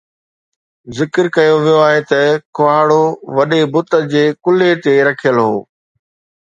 ذڪر ڪيو ويو آهي ته ڪهاڙو وڏي بت جي ڪلهي تي رکيل هو